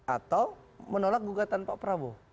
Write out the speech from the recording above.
atau menolak gugatan pak prabowo